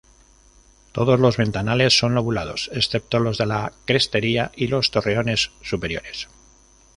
Todos los ventanales son lobulados, excepto los de la crestería y los torreones superiores.